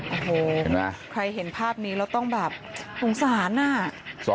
โอ้โหใครเห็นภาพนี้แล้วต้องแบบสงสารอ่ะ